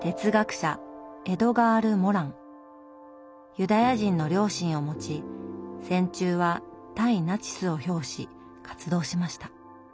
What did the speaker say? ユダヤ人の両親を持ち戦中は対ナチスを表し活動しました。